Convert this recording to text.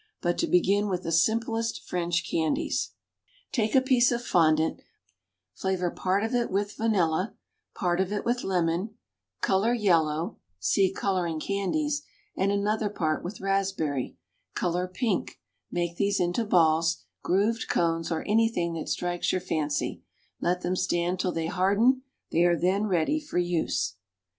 But to begin with the simplest French candies. Take a piece of fondant, flavor part of it with vanilla, part of it with lemon, color yellow (see coloring candies), and another part with raspberry, color pink; make these into balls, grooved cones, or anything that strikes your fancy, let them stand till they harden, they are then ready for use.